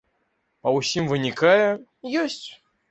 Па ўсім вынікае, ёсць.